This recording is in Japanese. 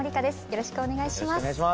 よろしくお願いします。